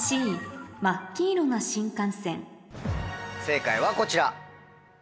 正解はこちら。